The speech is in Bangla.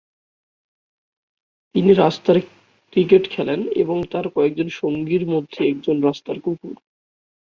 তিনি রাস্তার ক্রিকেট খেলেন এবং তার কয়েকজন সঙ্গীর মধ্যে একজন রাস্তার কুকুর।